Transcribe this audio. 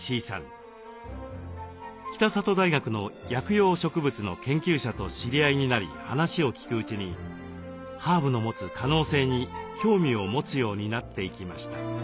北里大学の薬用植物の研究者と知り合いになり話を聞くうちにハーブの持つ可能性に興味を持つようになっていきました。